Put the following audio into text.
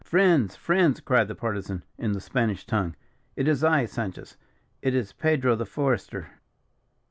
"Friends, friends!" cried the Partisan, in the Spanish tongue. "It is I, Sanchez; it is Pedro, the Forester."